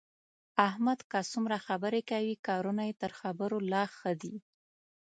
احمد که څومره خبرې کوي، کارونه یې تر خبرو لا ښه دي.